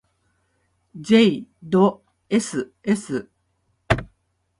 ｊ ど ｓｓ